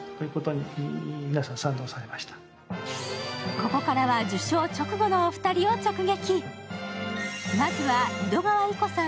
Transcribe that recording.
ここからは受賞直後のお二人を直撃。